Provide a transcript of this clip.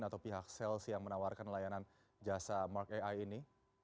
atau pihak sales yang menawarkan layanan jasa mark ai ini